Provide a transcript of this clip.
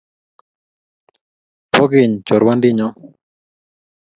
Po keny chorwandinnyo